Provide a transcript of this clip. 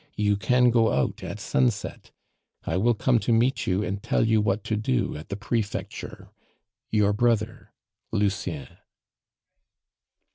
You can go out at sunset. I will come to meet you and tell you what to do at the prefecture. Your brother, "LUCIEN."